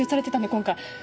今回。